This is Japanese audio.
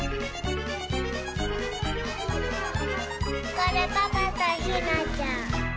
これパパとひなちゃん。